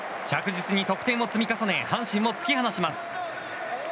着実に得点を積み重ね阪神を突き放します。